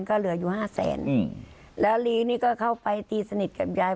ก็เหลืออยู่ห้าแสนอืมแล้วลีนี่ก็เข้าไปตีสนิทกับยาย